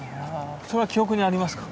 それは記憶にありますか？